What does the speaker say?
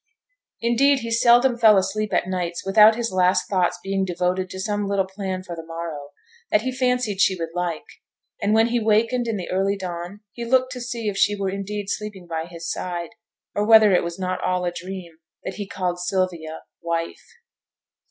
Indeed he seldom fell asleep at nights without his last thoughts being devoted to some little plan for the morrow, that he fancied she would like; and when he wakened in the early dawn he looked to see if she were indeed sleeping by his side, or whether it was not all a dream that he called Sylvia 'wife.'